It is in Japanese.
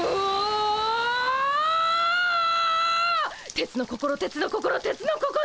鉄の心鉄の心鉄の心！